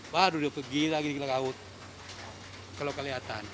waduh dia pergi lagi ke laut kalau kelihatan